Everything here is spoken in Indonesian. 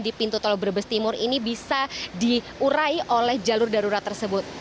di pintu tol brebes timur ini bisa diurai oleh jalur darurat tersebut